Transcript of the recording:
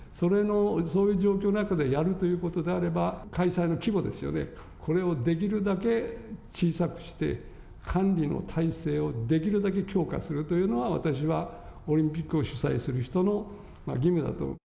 そういう状況の中でやるということであれば、開催の規模ですよね、これをできるだけ小さくして、管理の体制をできるだけ強化するというのは、私はオリンピックを主催する人の義務だと思う。